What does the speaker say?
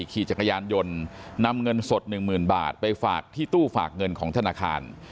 ขี่จักรยานยนต์นำเงินสดหนึ่งหมื่นบาทไปฝากที่ตู้ฝากเงินของธนาคาร